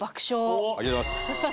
ありがとうございます。